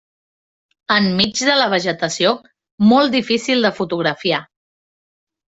En mig de la vegetació, molt difícil de fotografiar.